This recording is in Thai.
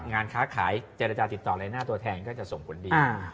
งานค้าขายเจรจาติดต่ออะไรหน้าตัวแทนก็จะส่งผลดี